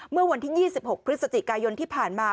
เมื่อวันที่๒๖พฤศจิกายนที่ผ่านมา